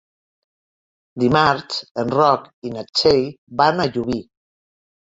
Dimarts en Roc i na Txell van a Llubí.